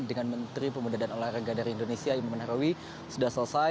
dengan menteri pemuda dan olahraga dari indonesia imam menarawi sudah selesai